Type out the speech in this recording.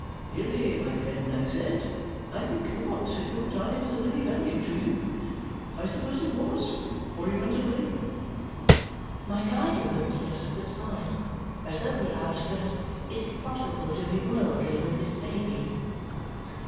'Really, my friend,' I said, 'I think not if your time is of any value to you.' I suppose it was, for he went away." My guardian looked at us with a smile, as though he asked us, "Is it possible to be worldly with this baby?"